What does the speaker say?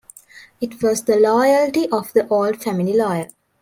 It was the loyalty of the old family lawyer.